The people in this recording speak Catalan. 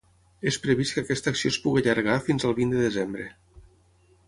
És previst que aquesta acció es pugui allargar fins al vint de desembre.